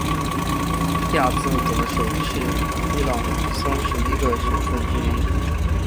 亚兹德省是伊朗三十一个省份之一。